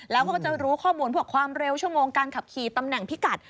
แล้วเขาก็จะรู้ข้อมูลพวกความเร็วชั่วโมงการขับขี่ตำแหน่งพิกัด